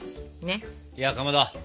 いやかまど！